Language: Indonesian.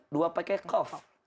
dua pakai qawf